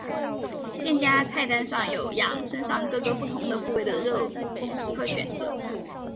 店家菜单上有羊身上各个不同的部位的肉供食客选择。